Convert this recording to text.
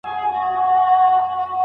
د قمرۍ واړه وزرونه د لمر په رڼا کې ځلېدل.